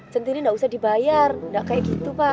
cintinny gak usah dibayar gak kayak gitu pak